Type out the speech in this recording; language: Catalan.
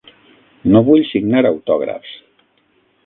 No vull signar autògrafs.